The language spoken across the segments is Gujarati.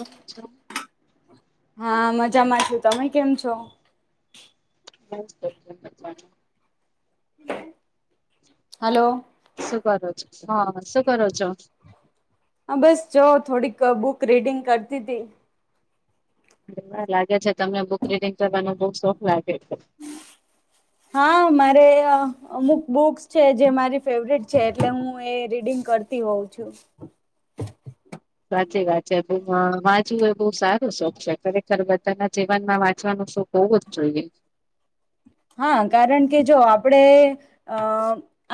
અચ્છા હા મજામાં છુ તમે કેમ છો મજામા હલો શું કરો છો હા શું કરો છો હા બસ જો થોડીક બુક રીડિંગ કરતી હતી એરેવા લાગે છે તમને બુક રીડિંગ કરવાનો બઉ શોખ લાગે છે [inaudible] હા મારે અમુક બુક્સ છે જે મારી ફેવરેટ છે એટલે હું એ રીડિંગ કરતી હોઉ છું સાચી વાત છે વાચવું એ બહ સારો શોખ છે ખરે ત બધાના જીવનમાં વાંચવાનું શોખ હોવું જ જોઈએ હા કારણ કે જો આપડે અ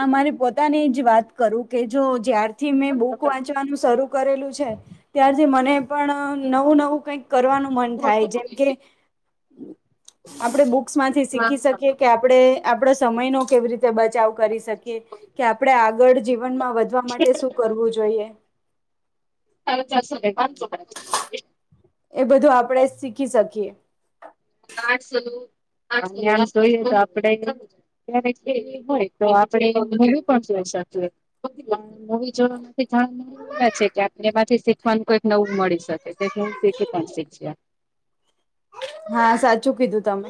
આ મારી પોતાની જ વાત કરું કે જો જાર થી મેં બુક વાંચવાનું શરૂ કરેલું છે ત્યારથી મને પણ નવું નવું કઈક કરવાનું મન થાય જેમ કે આપડે બુક શકી કે આપણે આપ સમય નો કેવી રીતે બચાવ કરી શકીએ કે આપણે આગળ જીવ જીવનમાં વધવા માટે શું કરવું જોઈએ તાર ચારસો પાંચસો કાપી નાખજે એ બધું આપણેે શીખી શકીએ આસોસો આપડે નુ કયારે હોય તો આપડે નવી પણ જોઈ શ પણ મુવી જોવા માંથી જાણ મળે છે કે આપને એમાંથી શીખવાનું કઈક નવું મળી શકે જેથી હું શીખી પણ શીખશે હા સાચું કીધું તમે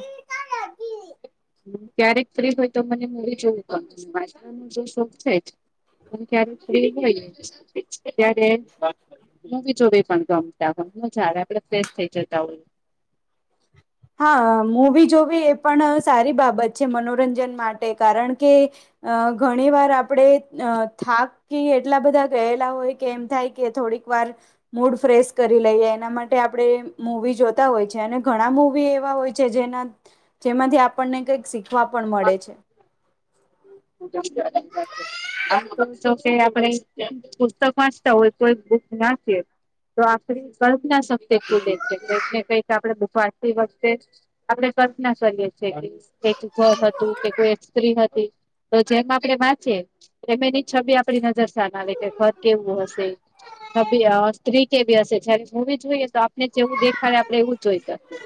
હ ક્યારેક ફ્રી હોય તો મને મૂવી જવું ગમે જોવું ગમે વાંચવા નુ શોખ પણ છે જ હ ક્યારે ફ્રી હોયે તો એમ પણ મૂવી જોવી પણ ગમતા હોયે આપડે ફ્રેશ થઈ જતા હો હા મૂવી જોવી એ પણ સારી બાબત છે મનોરંજન માટે કારણ કે અ ઘણી વાર આપણેે અ થાક કે એટલા બધા ગયેલા હોય કે એમ થાય કે થોડીક વાર મૂડ ફ્રેશ કરી લઈએ એના માટે આપણે મૂવી જોતા હોય છે અને ઘણા મુવી એવા હોય છે જેના જેમાંથી આપણને કઈક શીખવા પણ મળે છે તો કે આપણે પુસ્તક વાંચતા હોય કોઈ બુક નાખી તો આપડી કલ્પના શક્તિ ખુલે છે કઈક ને કઈક આપડે [unintelligible] વખતે આપડે કલ્પના કરીએ છીએ કે એક ઘર હતું કે કોઈ એક સ્ત્રી હતી તો જેમ આપડે વાંચીએ એમ એની છબી આપડી નજર સામે આવે કે ઘર કેવું હશે ી સ્ત્રી કેવી હશે જયારે મુવી જોઈએ તો આપને જેવું દેખાડે આપડે એવું જોઈ શકીએ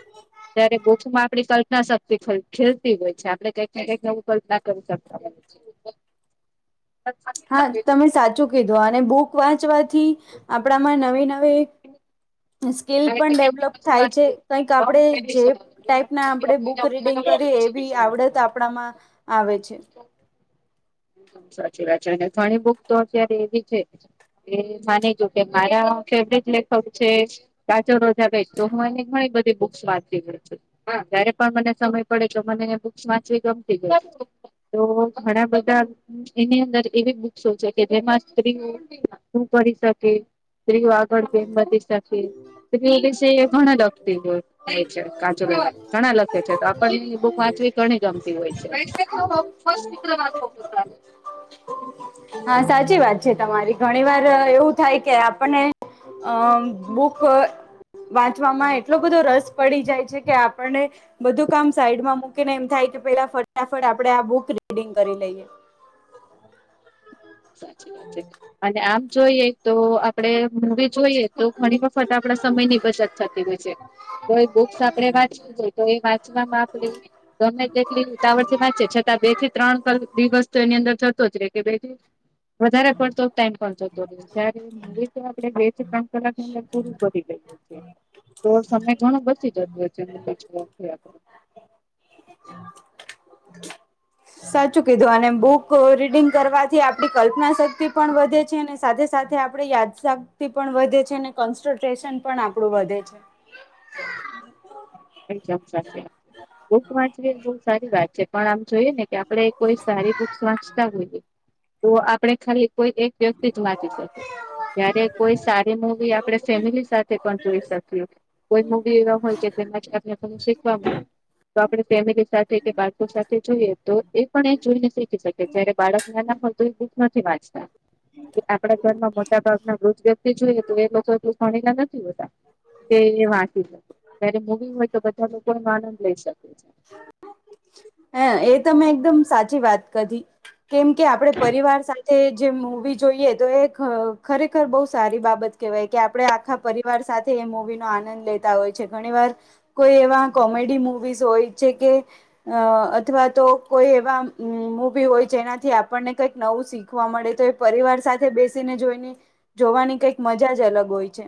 ત્યારે બુક માં આપડી કલ્પના શક્તિ ખેલતી હોય છે આપડ કંઈક ને કંઈક નવું કલ્પના કરી શકએ [inaudible] હા તમે સાચું કીધું અને બુક વાંચવાથી આપણામાં નવી નવી સ્કીલ પણ ડેવલોપ થાય છે કઈક આપણેે જે ટાઈપ ના આપણે બુક બુક રીડિંગ કરી એવી આવડત આપણામાં આવે છે સાચી વાત છે અને ઘણી બુક તો અત્યારે એવી છે એ માનીજુ કે મારા ફેવરેટ લેખક છે કાચો રોજા બે તો હું એ ઘણી બધી બુક્સ વાંચી પ છું જયારે પણ મને સમય પડે તો મને બુક્સ વાચવી ગમતી જ હોય છે તો ઘણા બધા એની અંદર એવી બુક્સો છે કે જેમાં સ્ત્રીઓ શું કરી શકે સ્ત્રીઓ આ આગળ કવમ વધી શકે ઘણા લખતી હો છે કાચું ઘણા લખે છે તો આપણને બુક વાંચવી ગ ગણી ગમતી હોય છે હા સાચી વાત છે તમારી ઘણી વાર એવું થાય કે આપણને અ બુક વાંચવામાં એટલો બધો રસ પડી જાય છે કે આપણને બધું કામ સાઈડમાં મૂકીને એમ થાય કે પેલા ફટાફટ આપડે આ બુક રીડિંગ કરી લઈએ સાચી વાત છે અને આમ જોઈએ તો આપડે મુવી જોઈએ તો ઘણી વખત આપણા સમયની બચત થતી હોય છે કોઇ બુક્સ આપેણે વાંચવવી જોઈ તો કોઇ વાંચવામાં આપણે ગમે તેટલી ઉટાવર થી વાંચી છતાં બે થી ત્રણ દિવસ તો એની અંદર જતો જ રે કે [unintelligible] વધારે પડતો ટાઈમ પણ જતો રહે ત્યારે એ તો આપડે બે થી ત્રણ કલાક ની અંદર શુરુ કરી દઈએ છીએ તો સમય ઘણો બછી જતો છે સાચું કીધું અને બુક રીડિંગ કરવાથી આપડી કલ્પના શક્તિ પણ વધે છે અને સાથે સાથે આપડે યાદશાગથી પણ વધે છે અને કોન્સન્ટ્રેશન પણ આપણું વધે છે મ સાચી વાત બુક વાંચવી બહ સારી વાત છે પણ આમ જોઈએ ને કે આપણે કોઈ સારી બુક્સ વાંચતા હોઈએ તો આપણે ખાલી કોઈ એક વ્યક્તિ જ વાંચી શકે કય્યારે કોઈ સારી મુવી આપણે ફેમિલી સાથે પણ જોઈ શકીએ કોઈ મુવી એવા હોય કે એ ત શીખવાનું તો આપણે ફેમિલી સાથે કે બાળકો સાથે જોઈએ તો એ પણ એ જોઈને શીખી શકે જયારે બાળક ના ના પણ તો દુઃખ નથી વાંચતા આપડા ઘરમાં મોટા ભાગના વૃદ્ધ વ્યક્તિ જોઈએ તો એ લોકો. ભણીલા નથી હોતા તે એ વાંચી. ત્યારે મુવી હોય તો બધા લોકોમાં આનંદ લઈ શકે છે. હ એ તમે એકદમ સાચી વાત કી કેમ કે આપડે પરિવાર સાથે જે મુવી જોઈએ તો એ ખરેખર બહુ સારી બાબત કેહેવાય કે આપડે આખા પરિવાર સાથે એ મૂવી નો આનંદ લેતા હોય છે ઘણી વાર કોઈ એવા કોમેડી મુવીઝ હોય છે કે અ અથવા તો કોઈ એવા મુવી હોય જેનાથી આપણને કઈક નવું શીખ ખવા મળે તો એ પરિવાર સાથે બેસીને જોઈને જોવાની કઈક મજા જ અલગ હોય છે.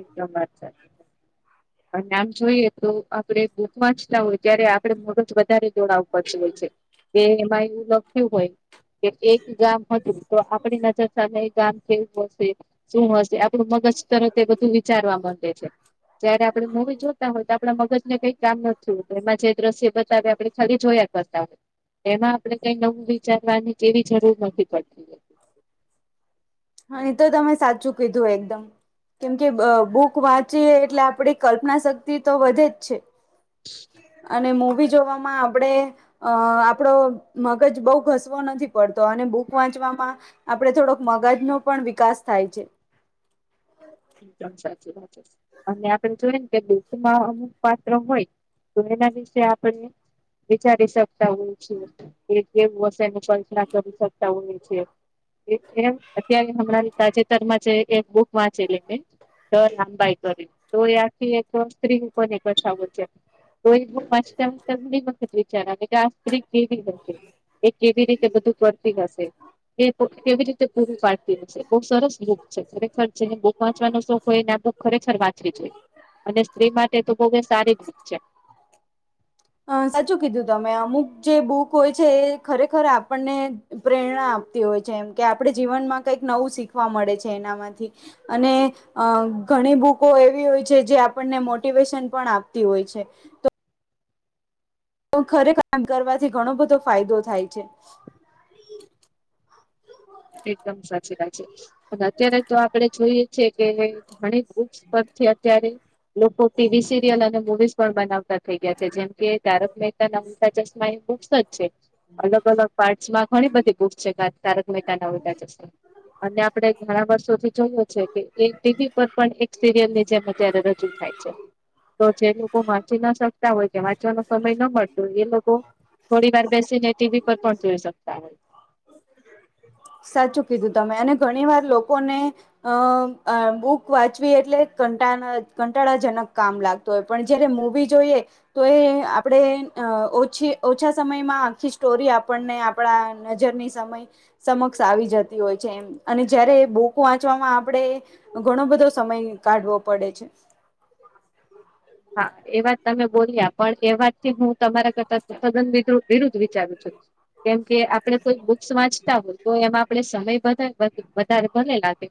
એકદમ વાત સાચી અને આમ જોઈએ તો આપડે વાચતા હોય ત્યારે આપડે થોડુક વધારે દોડાવ [unintelligible] પછ હોય છે એ એમાં એવું લખ્યું હોય કે એક ગામ હતું તો આપડી નજર સામે ગામ કેવું હશે શું હશે આપડું મન બસ તરત તે બધું વિચારવા માંડે છે. જયારે આપડણે મુવી જોતા હોય તો આપડા મગજ ને કઈક કામ નથી હોતું એમાં જે દ્રશ્ય બતાવે આપણે ખાલી જોયા કર બતાવે એમાં આપણે કઈ નવું વિચારવાની કેવી જરૂર નથી પડતી હો. હ એ તો તમે સાચું કીધું એકદમ. કેમકે બુક વાંચીએ એટલે આપણે કલ્પના શક્તિ તો વધે જ છે.. [inaudible] અને મવી જોવામાં આપડે અ આપડો મગજ બહુ ઘસવો નથી. પડતો અને બુક વાંચવામાં આપડ થોડોક મગજનો પણ વિકાસ થાય છે. એકદમ સાચી વાત. અને આપણે જોય ને કે બૂકમાં અમુક પાત્ર હોય તો એના વિશે આપણને. વિચારી શકતા હોય છે એ કેવું હશે એની કલ્પના કરી શકતા હોય છે. એમ અત્યારે હમણાં તાજેતર માં છે એક બુક વાચ ચીને તો લાંબાઈ કરી તો એ આખી એક સ્ત્રી [unintelligible] એકછા છે. તો એક બૂક વાચતા [unintelligible] મી બખત વિચાર આવે. આ સ્ત્રી કેવી હશે એ કેવી રીતે બધું કરતી હશે એ. કેવી રીતે પૂરું પાડતી હશે બહુ સરસ બુક છે ખરેખર. જેને બૂક વાંચવાનો શોખ હોય ને એને તો ખરેખર વાંચવી જોઈએ. અને સ્ત્રી માટે તો બહુ એ સારી બૂક છે. અ સાચું કીધું તમે અમુક જે બુક હોય છે એ ખરેખર આપણને. પ્રેરણા આપતી હોય છે એમ કે આપણે જીવનમાં કંઈક નવું શીખવા મળે છે એનામાંથી. અને. અ ઘણી બુકો એવી હોય છે જે આપણને મોટિવેશન પણ આપતી હોય છે. પણ ખરે કામ કરવાથી ઘણો બધો ફાયદો થાય છે. એકદમ સાચી વાત છે. અને અત્યારે તો આપડે જોઈએ છેએ કેણી પરથી અત્યારે. લોકો ટીવી સિરિયલ અને મવીઝ પણ બનાવતા. થઈ ગયા છે જેમ કે તારક મહેતા ના ઉલટા ચશ્મા એ બુક્સ જ છે અલગ અલગ. પાર્ટ્ માં ઘણી બધી બુક છે તારક મહેતા ના ઉલ્ટા ચશ્મા અને આપડે ઘણા વર્ષોથી જોયું છે કે એ ટીવી પર પણ એક સિરિયલ ની જેમ. અયારે રજૂ થાય છે. તો જે લોકો વાંચી ના શકતા હોય કે વાંચવાનો સમય ના મળતો એ લોકો. થોડી વાર બેસી ને ટીવી પર પણ જોઈ શકતા હોય. સાચું કીધું તમે અને ઘણી વાર લોકોને. અ બુક વાંચવી એટલે કંટા કંટાળાજનક કામ લાગત. તોય પણ જયારે મૂવી જોઈએ. તો એ આપણેે ઓછી ઓછા સમયમાં આખી સ્ટોરી આપણને. આપણા નજરની સમય. સમક્ષ આવી જતી હોય છે એ અને જયારે બોક વાંચવામાં આપણે. ઘણો બધો સમય કાઢવો પડે છે. હા એ વાત તમે. બોલ્યા પણ એ વાતથી હું તમારા કરતા સદન વિરુદ્ધ વિચારું છું. કેમ કે આપડે કોઈ બુક્સ વાંચતા હોય તો એમાં આપડે સમય વધારે ભલે લાગે.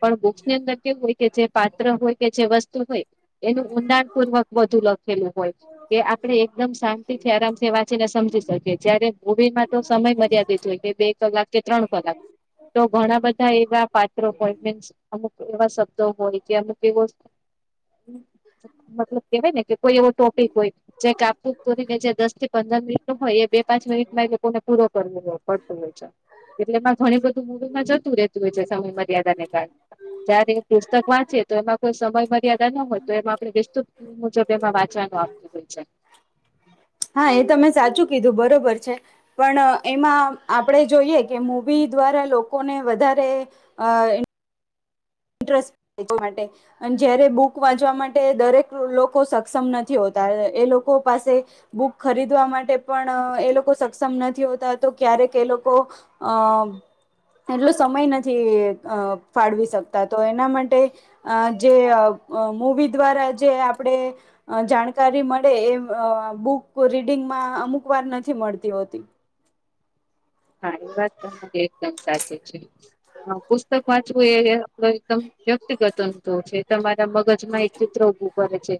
પણ બુક્સ ની અંદર કેવું હોય કે જે પાત્ર હોય કે જે વસ્તુ હોય એનું ઊડાણ. પૂર્વક બુ લખેલું હોય કે આપણે એકદમ શાંતિ થી આરામ વાંચીને સમજી શકીએ જય્યારે. મવીમાં તો સમય મર્યાદિત હોય કે બે કલાક કે ત્રણ કલાક. તો ઘણા બધા એવા પાત્રો હોય અમુક એવા શબ્દો હોય કે અમુક એવો. મતલબ કેહેવાય ને કે કોઈ એવો ટોપિક હોય. જે કપુરીને જે દસ થી પંદર મિનિટ ન હોય એ બે પાંચ મિનિટમાં એ લોકોને પૂરો કરવ પડતો હોય છે. એટલેમાં ઘણી બધું મવીમાં જતું ર રહેતું હોય છે સમય મર્યાદા ને કારણે. જયારે એ પુસ્તક વાંચે તો એમાં કોઈ સમય મર્યાદા ન હોય તો એમાં આપણે મુજબ એમાં વાંચવાનો આપ્યું. હા એ તમે સાચું કીધું બરોબર છે. પણ એમાં આપણે જોઈએ કે મૂવી દ્વારા લોકોને વધારે આ એ ટ્રસ્ટ [unintelligible] માટે અને જયારે બુક વાંચવા માટે દરેક લોકો સક્ષમ નથી હોતા એ લોકો પાસે બુક ખરીદવા માટે પણ એ લોકો સક્ષમ નથી હોતા તો ક્યારેક એ લોકો અ એટલો સમય નથી અ ફાળવી શક તો એના માટે અ જે મવી દ્વારા જે આપણે જાણકારી મળે એ બુક રીડિંગમાં અમુક વાર નથી મળતી હોતી હા એ વાત તમારી એકદમ સાચી છે પુસ્તક વાંચવું એ તો એકદમ વ્યક્તિગત અંત છે તમારા મગજમાં એક ચિત્ર ઉભું કરે છે.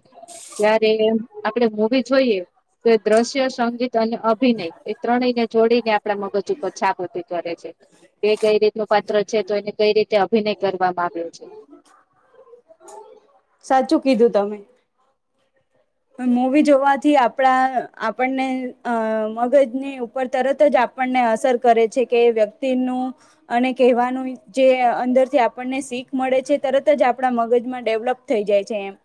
જય્યારે આપડે મુવી જોઈએ. તો દ્રશ્ય સંગીત અને અભિનય એ ત્રણેયને જોડીને આપણે મગજ છાપ ઉભી કરે છે. એ કઈ રીત ન પાત્ર છે તો એને કઈ રીતે અભિનય કરવામાં આવ્યો છે. સાચું કીધું તમે. મુવી જોવાથી આપણા આપણને અ મગજની ઉપર તરત જ આપણને અસર કરે છે કે વ્યક્તિનું અને કહેવાનું જે અંદરથી આપણને શીખ મળે છે તરત જ આપણા મગજમાં ડેવલપ થઈ જાય છે એમ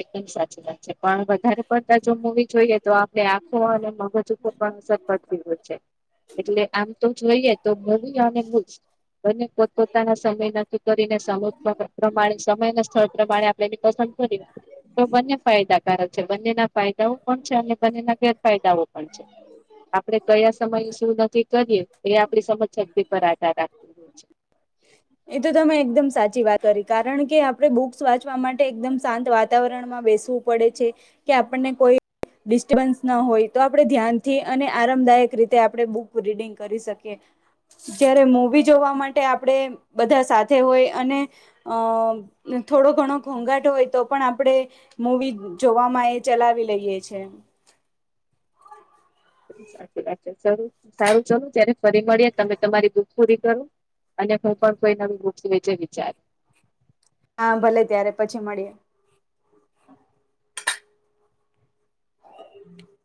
એકદમ સાચી વાત છે પણ વધારે પડતા જો મુવી જોઈએ તો આપડણે આખો અને મગજ ઉપર પણ અસર પડતી હોય છે. એટલે આમ તો જોઈએ તો મુવી અને બૂક્સ બંને પોતપોતાના સમયના કરીને સમ પ્રમાણે સમય ના સ્થળ પ્રમાણે આપણે એને પસંદ કરીએ તો બંને ફાયદાકારક છે બંનેના ફાયદાઓ પણ છે અને બંનેના ગેરફાયદાઓ પણ છે. આપડણે કયા સમયે શું નક્કી કરીએે એ આપણી સમજ શક્તી પર આધાર રાખતી હોય છે. એ તો તમે એકદમ સાચી વાત કરી કારણ કે આપડણે બુક્સ વાંચવા માટે એકદમ શાંત વાતાવરણમાં બેસવું પડે છે કે આપણને કોઈ ડિસ્ટબન્સ ના હોય તો આપણે ધ્યાનથી અને આરામદાયક રીતે આપણે બુક રીડિંગ કરી શકીએ જયારે મુવી જોવા માટે આપણેે બધા સાથે હોય અને અ થોડો ઘણો ઘોંઘાટ હોય તો પણ આપણે મૂવી જોવામાં એ ચલાવી લઈએ છે. સાચી વાત છે સારું ચાલ જયારે ફરી મળ્યા તમે તમારી બુક પૂરી કરો. અને હું પણ કોઈ નવી બુક્સ વિશે વિચાર હા ભલે ત્યારે પછી મળીએ. [inaudible]